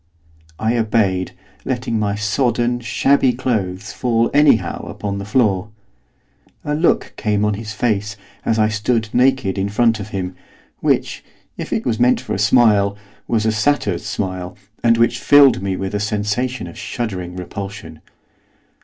I obeyed, letting my sodden, shabby clothes fall anyhow upon the floor. A look came on his face, as I stood naked in front of him, which, if it was meant for a smile, was a satyr's smile, and which filled me with a sensation of shuddering repulsion.